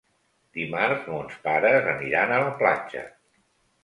Dimarts mons pares aniran a la platja.